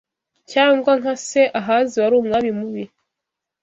cyangwa nka se Ahazi wari umwami mubi